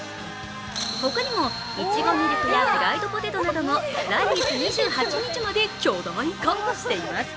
他にもイチゴミルクやフライドポテトなども来月２８日まで巨大化しています。